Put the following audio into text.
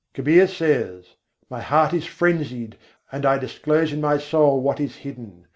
Kabîr says: "My heart is frenzied, and I disclose in my soul what is hidden.